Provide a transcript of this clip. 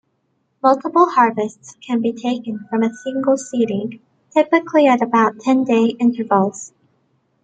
Multiple harvests can be taken from a single seeding, typically at about ten-day intervals.